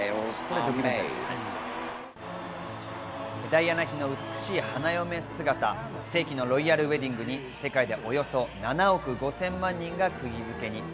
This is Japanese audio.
ダイアナ妃の美しい花嫁姿、世紀のロイヤルウェディングに世界でおよそ７億５０００万人が釘付けに。